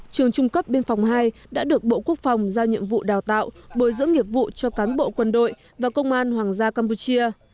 trường trung cấp biên phòng hai đã được bộ quốc phòng giao nhiệm vụ đào tạo bồi dưỡng nghiệp vụ cho cán bộ quân đội và công an hoàng gia campuchia